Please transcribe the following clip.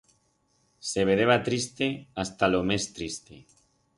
Se vedeba triste hasta lo mes triste.